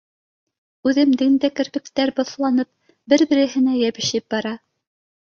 Үҙемдең дә керпектәр боҫланып, бер-береһенә йәбешеп бара.